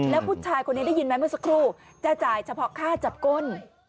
แล้วผู้ชายคนนี้ได้ยินไหมเมื่อสักครู่จะจ่ายเฉพาะค่าจับก้น